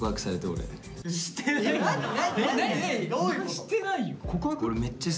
してないよ！